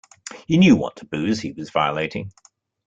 He knew what taboos he was violating.